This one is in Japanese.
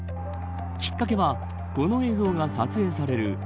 きっかけは、この映像が撮影される